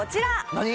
何？